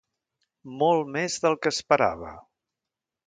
Molt més del que esperava.